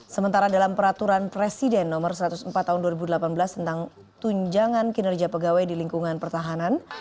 sementara dalam peraturan presiden nomor satu ratus empat tahun dua ribu delapan belas tentang tunjangan kinerja pegawai di lingkungan pertahanan